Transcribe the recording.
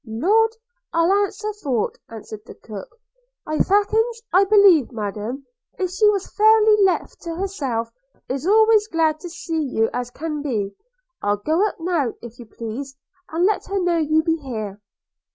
'Lord! I'll answer for't,' answered the cook; 'ifackins, I believe Madam, if she was fairly left to herself, is always as glad to see you as can be – I'll go up now, if you please, and let her know you be here.'